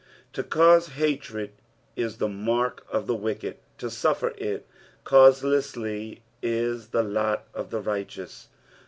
To cause hatred is the mark of the wicked, to suffer it causelessly is the lot of the righteous.